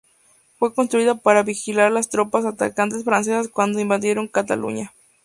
Fue construida para vigilar las tropas atacantes francesas cuando invadieron Cataluña.